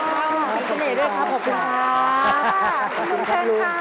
ขอบคุณค่ะคุณลุงเชิญค่ะขอบคุณค่ะ